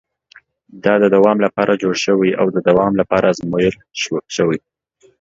دا د دوام لپاره جوړ شوی او د دوام لپاره ازمول شوی.